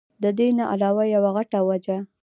د دې نه علاوه يوه غټه وجه